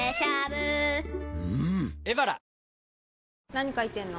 何書いてんの？